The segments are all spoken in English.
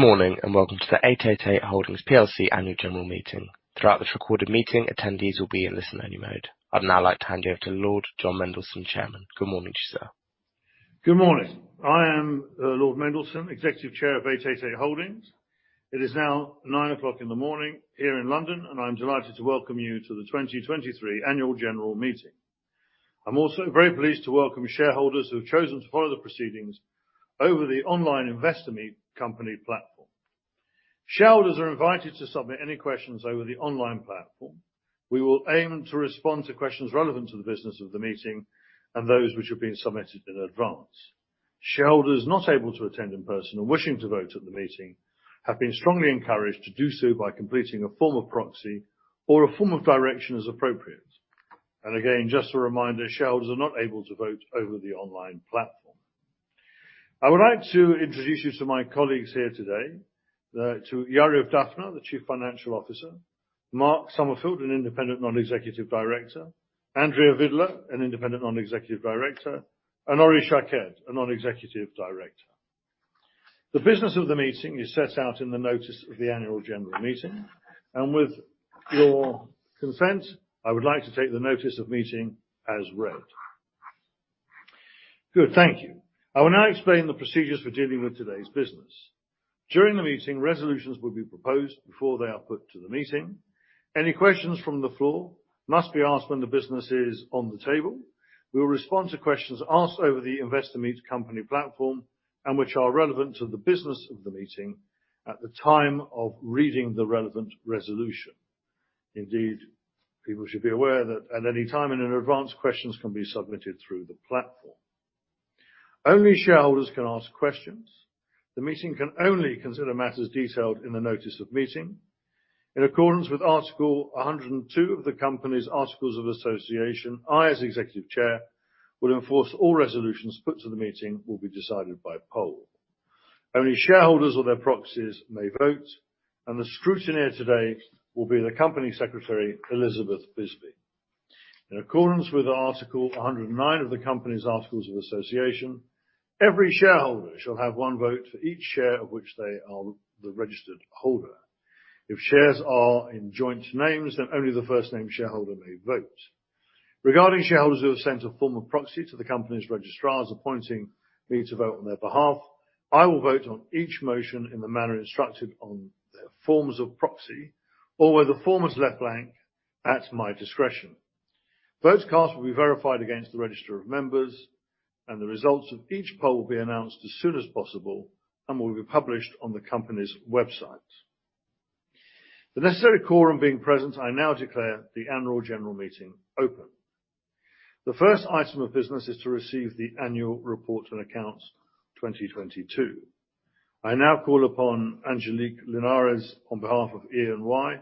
Good morning. Welcome to the 888 Holdings PLC Annual General Meeting. Throughout this recorded meeting, attendees will be in listen-only mode. I'd now like to hand you over to Lord Jon Mendelsohn, Chairman. Good morning to you, sir. Good morning. I am Lord Mendelsohn, Executive Chair of 888 Holdings. It is now 9:00 A.M. here in London, and I'm delighted to welcome you to the 2023 Annual general meeting. I'm also very pleased to welcome shareholders who have chosen to follow the proceedings over the online Investor Meet Company platform. Shareholders are invited to submit any questions over the online platform. We will aim to respond to questions relevant to the business of the meeting and those which have been submitted in advance. Shareholders not able to attend in person and wishing to vote at the meeting have been strongly encouraged to do so by completing a form of proxy or a form of direction as appropriate. Again, just a reminder, shareholders are not able to vote over the online platform. I would like to introduce you to my colleagues here today, to Yariv Dafna, the Chief Financial Officer, Mark Summerfield, an Independent Non-executive Director, Andria Vidler, an Independent Non-executive Director, and Ori Shaked, a Non-executive Director. The business of the meeting is set out in the notice of the annual general meeting. With your consent, I would like to take the notice of meeting as read. Good. Thank you. I will now explain the procedures for dealing with today's business. During the meeting, resolutions will be proposed before they are put to the meeting. Any questions from the floor must be asked when the business is on the table. We will respond to questions asked over the Investor Meet Company platform and which are relevant to the business of the meeting at the time of reading the relevant resolution. Indeed, people should be aware that at any time and in advance, questions can be submitted through the platform. Only shareholders can ask questions. The meeting can only consider matters detailed in the notice of meeting. In accordance with Article 102 of the company's articles of association, I, as Executive Chair, will enforce all resolutions put to the meeting will be decided by poll. Only shareholders or their proxies may vote, and the scrutineer today will be the Company Secretary, Elizabeth Bisby. In accordance with Article 109 of the company's articles of association, every shareholder shall have one vote for each share of which they are the registered holder. If shares are in joint names, then only the first name shareholder may vote. Regarding shareholders who have sent a form of proxy to the company's registrars appointing me to vote on their behalf, I will vote on each motion in the manner instructed on their forms of proxy, or where the form is left blank, at my discretion. Votes cast will be verified against the register of members, and the results of each poll will be announced as soon as possible and will be published on the company's website. The necessary quorum being present, I now declare the annual general meeting open. The first item of business is to receive the annual report and accounts 2022. I now call upon Angelique Linares on behalf of EY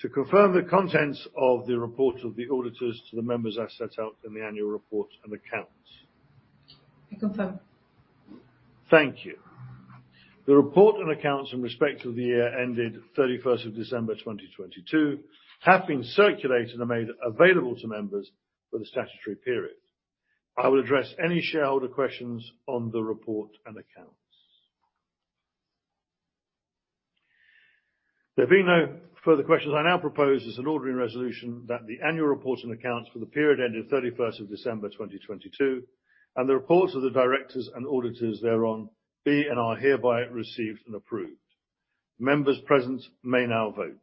to confirm the contents of the report of the auditors to the members as set out in the annual report and accounts. I confirm. Thank you. The report and accounts in respect of the year ended 31st December 2022 have been circulated and made available to members for the statutory period. I will address any shareholder questions on the report and accounts. There being no further questions, I now propose as an ordering resolution that the annual report and accounts for the period ending 31st December 2022 and the reports of the directors and auditors thereon be and are hereby received and approved. Members present may now vote.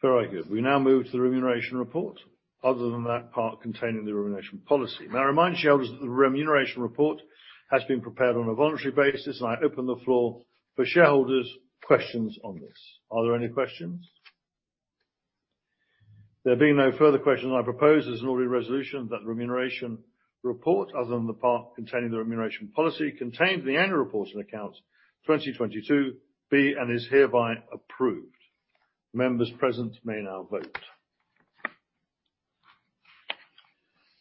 Very good. We now move to the remuneration report other than that part containing the remuneration policy. May I remind shareholders that the remuneration report has been prepared on a voluntary basis, and I open the floor for shareholders' questions on this. Are there any questions? There being no further questions, I propose as an ordering resolution that remuneration report other than the part containing the remuneration policy contained in the annual report and accounts 2022 be and is hereby approved. Members present may now vote.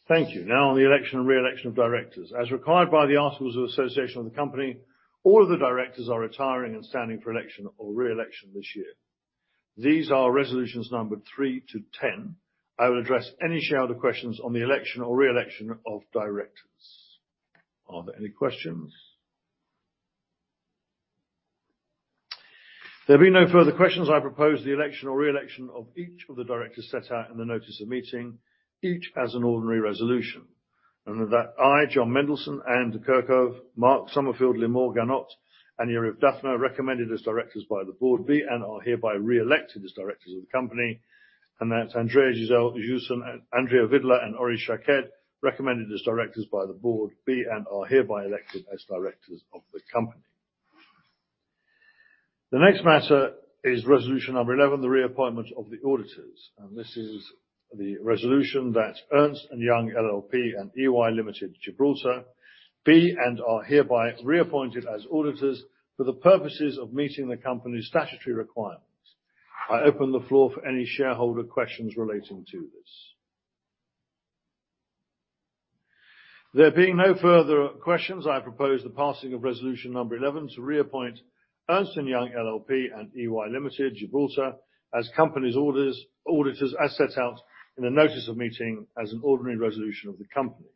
Thank you. Now on the election and re-election of directors. As required by the Articles of Association of the company, all of the directors are retiring and standing for election or re-election this year. These are resolutions numbered three to 10. I will address any shareholder questions on the election or re-election of directors. Are there any questions? There being no further questions, I propose the election or re-election of each of the directors set out in the notice of meeting, each as an ordinary resolution. That I, Jon Mendelsohn, Anne de Kerckhove, Mark Summerfield, Limor Ganot, and Yariv Dafna, recommended as Directors by the Board, be and are hereby Re-elected as Directors of the Company. That Andrea Gisle Joosen, Andria Vidler, and Ori Shaked, recommended as directors by the board, be and are hereby elected as Directors of the company. The next matter is resolution number 11, the reappointment of the auditors, and this is the resolution that Ernst and Young LLP and EY Limited, Gibraltar, be and are hereby reappointed as auditors for the purposes of meeting the company's statutory requirements. I open the floor for any shareholder questions relating to this. There being no further questions, I propose the passing of resolution number 11 to reappoint Ernst and Young LLP and EY Limited, Gibraltar as company's auditors as set out in a notice of meeting as an ordinary resolution of the company.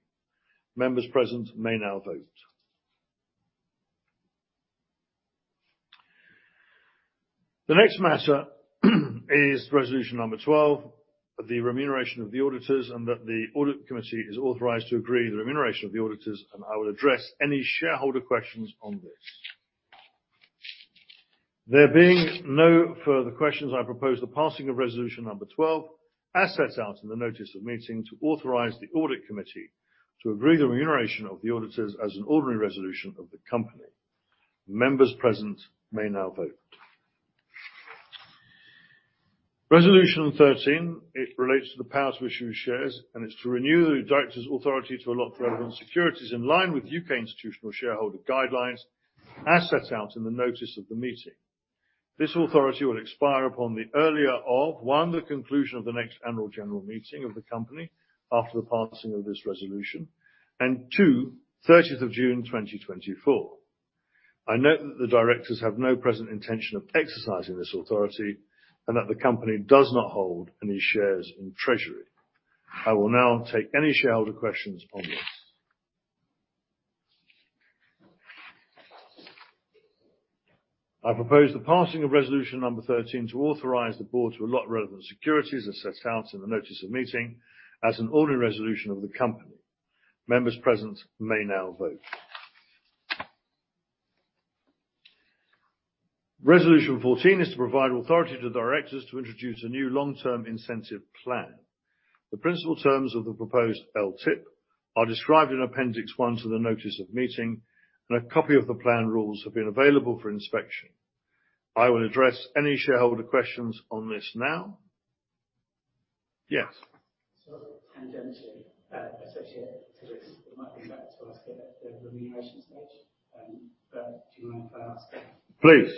Members present may now vote. The next matter is resolution number 12, the remuneration of the auditors. The audit committee is authorized to agree the remuneration of the auditors. I will address any shareholder questions on this. There being no further questions, I propose the passing of resolution number 12 as set out in the notice of meeting to authorize the audit committee to agree the remuneration of the auditors as an ordinary resolution of the company. Members present may now vote. Resolution 13, it relates to the power to issue shares, and it's to renew the directors' authority to allot relevant securities in line with U.K. institutional shareholder guidelines as set out in the notice of the meeting. This authority will expire upon the earlier of, one, the conclusion of the next annual general meeting of the company after the passing of this resolution, and two, 30th June, 2024. I note that the directors have no present intention of exercising this authority and that the company does not hold any shares in treasury. I will now take any shareholder questions on this. I propose the passing of resolution number 13 to authorize the board to allot relevant securities as set out in the notice of meeting as an ordinary resolution of the company. Members present may now vote. Resolution 14 is to provide authority to the directors to introduce a new long-term incentive plan. The principal terms of the proposed LTIP are described in appendix one to the notice of meeting, and a copy of the plan rules have been available for inspection. I will address any shareholder questions on this now. Yes. Tangentially, associated to this, it might be better to ask at the remuneration stage, but do you mind if I ask it? Please.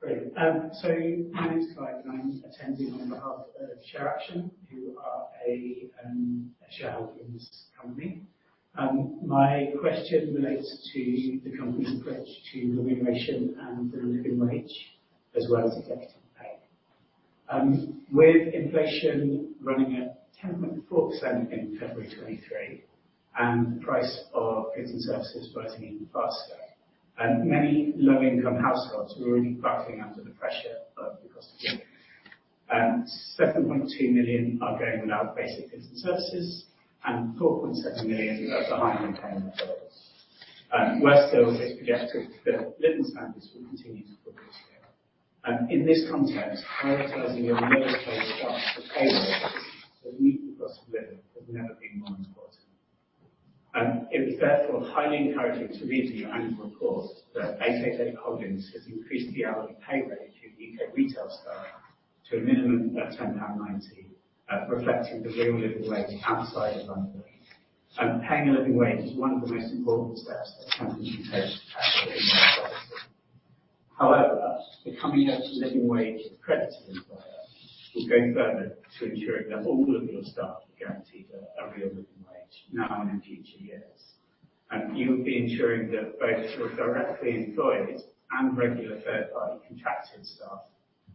Great. My name is Clive, and I'm attending on behalf of ShareAction, who are a Shareholder in this company. My question relates to the company's approach to remuneration and the Living Wage, as well as executive pay. With inflation running at 10.4% in February 2023 and the price of goods and services rising even faster, and many low-income households who are already buckling under the pressure of the cost of living. 7.2 million are going without basic goods and services, and 4.7 million are behind on payments. Worse still, living standards will continue to fall this year. In this context, prioritizing your lowest paid staff meeting the cost of living has never been more important. It was therefore highly encouraging to read in your annual report that 888 Holdings has increased the hourly pay rate for U.K retail staff to a minimum of 10.90 pound, reflecting the Real Living Wage outside of London. Paying a living wage is one of the most important steps that companies can take. However, becoming a Living Wage accredited employer will go further to ensuring that all of your staff are guaranteed a Real Living Wage now and in future years. You would be ensuring that both your directly employed and regular third-party contracted staff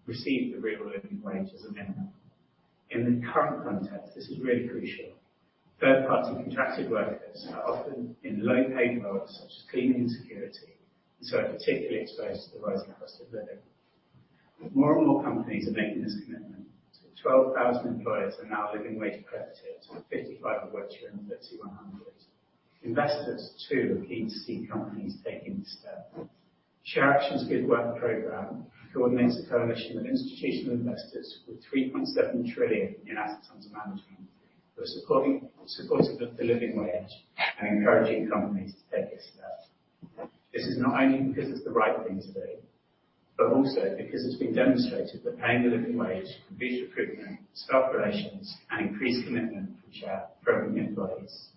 receive the Real Living Wage as a minimum. In the current context, this is really crucial. Third-party contracted workers are often in low-paid roles such as cleaning and security, are particularly exposed to the rising cost of living. More and more companies are making this commitment. 12,000 employers are now Living Wage accredited. 55 of which are in the FTSE 100. Investors, too, are keen to see companies taking this step. ShareAction Good Work programme coordinates a coalition of institutional investors with 3.7 trillion in assets under management, who are supporting the Living Wage and encouraging companies to take this step. This is not only because it's the right thing to do, but also because it's been demonstrated that paying the Living Wage can boost recruitment, staff relations, and increase commitment from your employees.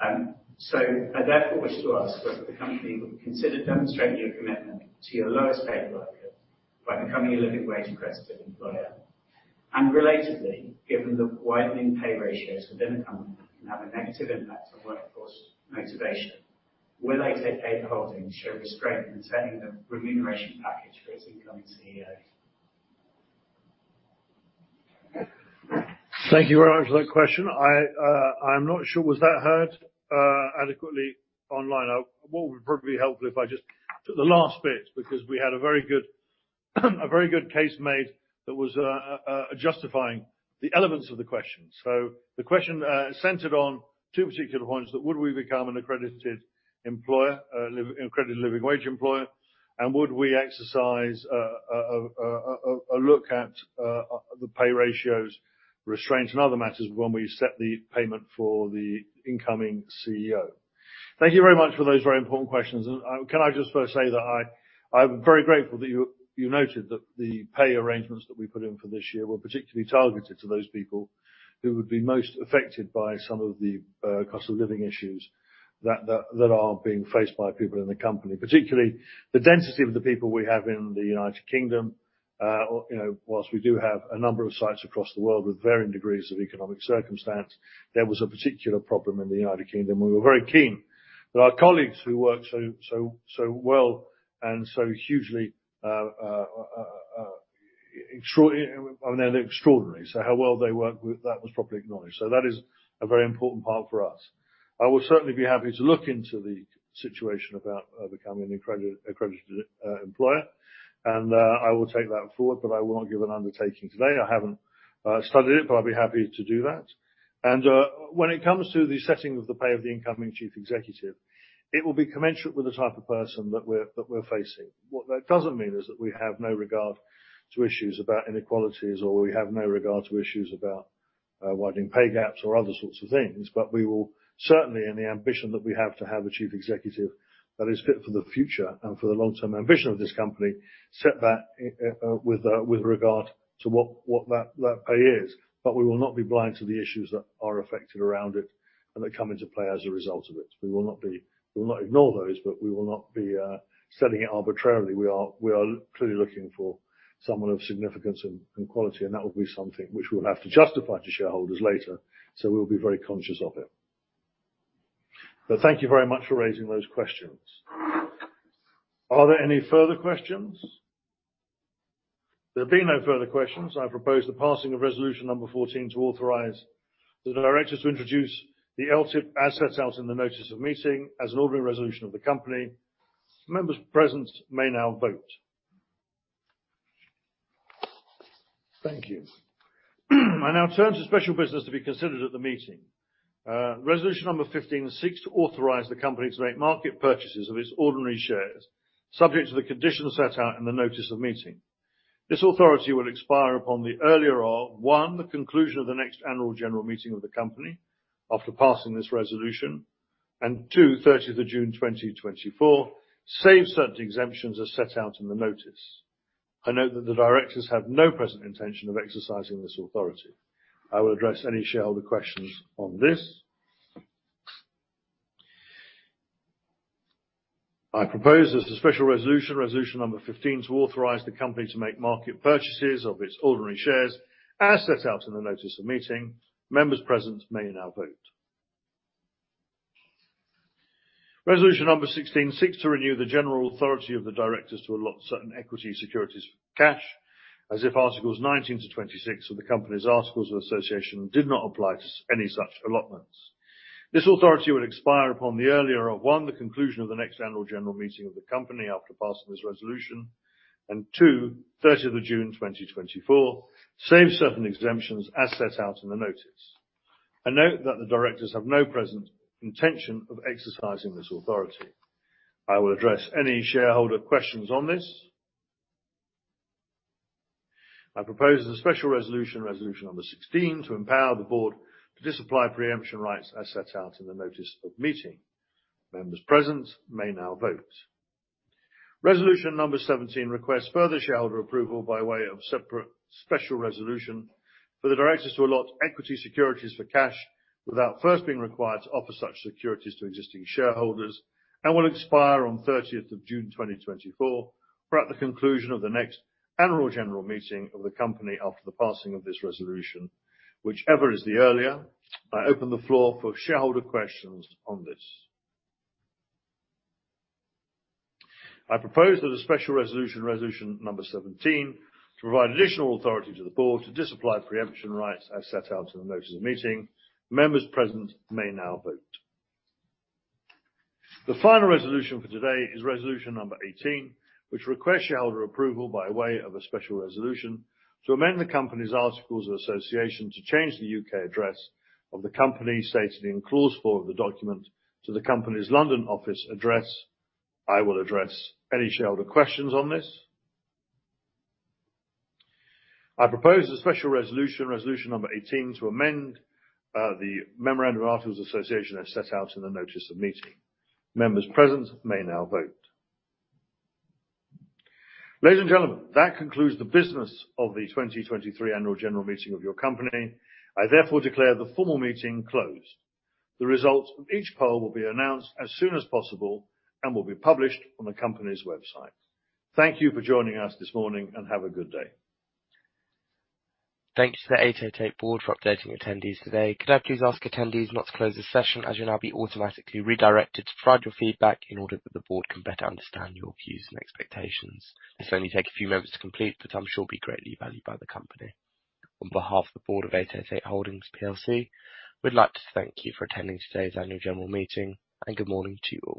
I therefore wish to ask whether the company would consider demonstrating your commitment to your lowest paid workers by becoming a Living Wage accredited employer. Relatedly, given the widening pay ratios within the company can have a negative impact on workforce motivation, will 888 Holdings show restraint in setting the remuneration package for its incoming CEO? Thank you very much for that question. I'm not sure. Was that heard adequately online? What would probably be helpful if I just took the last bit, because we had a very good case made that was justifying the elements of the question. The question centered on two particular points, that would we become an accredited employer, an accredited Living Wage accredited employer? And would we exercise a look at the pay ratios, restraints, and other matters when we set the payment for the incoming CEO? Thank you very much for those very important questions. Can I just first say that I'm very grateful that you noted that the pay arrangements that we put in for this year were particularly targeted to those people who would be most affected by some of the cost of living issues that are being faced by people in the company. Particularly the density of the people we have in the United Kingdom, or, you know, whilst we do have a number of sites across the world with varying degrees of economic circumstance, there was a particular problem in the United Kingdom. We were very keen that our colleagues who work so well and so hugely, extraordinary. How well they work with that was properly acknowledged. That is a very important part for us. I will certainly be happy to look into the situation about becoming an accredited employer, and I will take that forward, but I will not give an undertaking today. I haven't studied it, but I'll be happy to do that. When it comes to the setting of the pay of the incoming chief executive, it will be commensurate with the type of person that we're facing. What that doesn't mean is that we have no regard to issues about inequalities or we have no regard to issues about widening pay gaps or other sorts of things. We will certainly, in the ambition that we have to have a chief executive that is fit for the future and for the long-term ambition of this company, set that with regard to what that pay is. We will not be blind to the issues that are affected around it and that come into play as a result of it. We will not ignore those. We will not be setting it arbitrarily. We are clearly looking for someone of significance and quality, and that will be something which we'll have to justify to shareholders later, so we'll be very conscious of it. Thank you very much for raising those questions. Are there any further questions? There being no further questions, I propose the passing of resolution number 14 to authorize the directors to introduce the LTIP assets out in the notice of meeting as an ordinary resolution of the company. Members present may now vote. Thank you. I now turn to special business to be considered at the meeting. Resolution number 15 seeks to authorize the company to make market purchases of its ordinary shares, subject to the conditions set out in the notice of meeting. This authority will expire upon the earlier of, one the conclusion of the next annual general meeting of the company after passing this resolution, and 2, June 30th 2024, save certain exemptions as set out in the notice. I note that the directors have no present intention of exercising this authority. I will address any shareholder questions on this. I propose as a special resolution number 15 to authorize the company to make market purchases of its ordinary shares as set out in the notice of meeting. Members present may now vote. Resolution number 16 seeks to renew the general authority of the directors to allot certain equity securities cash, as if Articles 19 - 26 of the company's articles of association did not apply to any such allotments. This authority will expire upon the earlier of, one, the conclusion of the next Annual General Meeting of the company after passing this resolution, and 2, June 30th 2024, save certain exemptions as set out in the notice. I note that the directors have no present intention of exercising this authority. I will address any shareholder questions on this. I propose as a special resolution number 16 to empower the board to disapply pre-emption rights as set out in the notice of meeting. Members present may now vote. Resolution number 17 requests further shareholder approval by way of separate special resolution for the directors to allot equity securities for cash without first being required to offer such securities to existing shareholders and will expire on June 30th 2024, or at the conclusion of the next annual general meeting of the company after the passing of this resolution, whichever is the earlier. I open the floor for shareholder questions on this. I propose that a special resolution number 17 to provide additional authority to the board to disapply pre-emption rights as set out in the notice of meeting. Members present may now vote. The final resolution for today is resolution number 18, which requests shareholder approval by way of a special resolution to amend the company's articles of association to change the U.K. address of the company stated in clause four of the document to the company's London office address. I will address any shareholder questions on this. I propose a special resolution number 18, to amend the memorandum articles of association as set out in the notice of meeting. Members present may now vote. Ladies and gentlemen, that concludes the business of the 2023 annual general meeting of your company. I therefore declare the formal meeting closed. The results of each poll will be announced as soon as possible and will be published on the company's website. Thank you for joining us this morning. Have a good day. Thanks to the 888 board for updating attendees today. Could I please ask attendees not to close this session, as you'll now be automatically redirected to provide your feedback in order that the board can better understand your views and expectations. This will only take a few moments to complete, but I'm sure will be greatly valued by the company. On behalf of the board of 888 Holdings plc, we'd like to thank you for attending today's Annual General Meeting. Good morning to you all.